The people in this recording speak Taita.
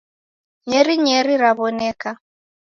Nyeri nyeri rawoneka